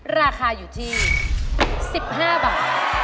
ราคาอยู่ที่๑๕บาท